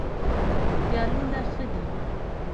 خیالونه ښه دي.